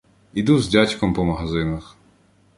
Іду з дядьком по магазинах.